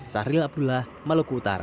sahril abdullah maluku utara